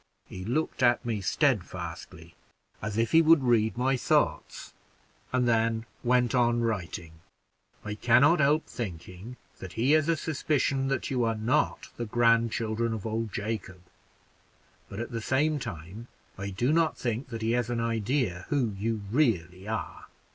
He looked at me steadfastly, as if he would read my thoughts, and then went on writing. I can not help thinking that he has a suspicion that you are not the grandchildren of old Jacob; but at the same time I do not think that he has an idea who you really are."